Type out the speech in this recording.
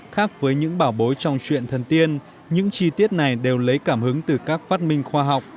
khác với những bảo bối trong chuyện thân tiên những chi tiết này đều lấy cảm hứng từ các phát minh khoa học